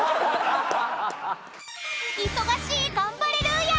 ［忙しいガンバレルーヤ。